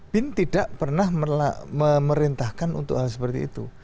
bin tidak pernah memerintahkan untuk hal seperti itu